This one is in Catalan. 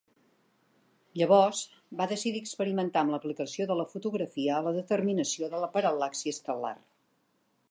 Llavors va decidir experimentar amb l'aplicació de la fotografia a la determinació de la paral·laxi estel·lar.